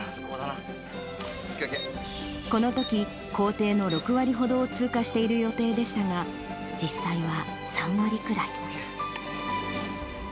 このとき、行程の６割ほどを通過している予定でしたが、実際は３割くらい。